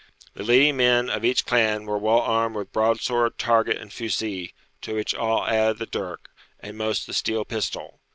The leading men of each clan were well armed with broad sword, target, and fusee, to which all added the dirk, and most the steel pistol.